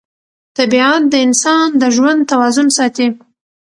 طبیعت د انسان د ژوند توازن ساتي